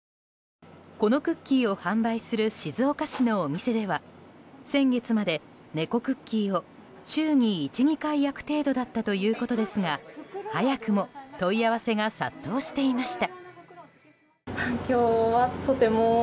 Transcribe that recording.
このクッキーを販売する静岡市のお店では先月まで猫クッキーを週に１２回焼く程度だったということですが早くも問い合わせが殺到していました。